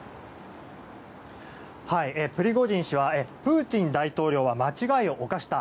プリゴジン氏はプーチン大統領は間違いを犯した。